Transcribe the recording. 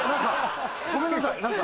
ごめんなさい何か。